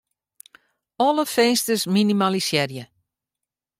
Alle finsters minimalisearje.